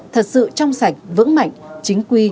thật sự trong sạch vững mạnh chính quy